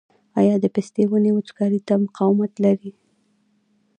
آیا د پستې ونې وچکالۍ ته مقاومت لري؟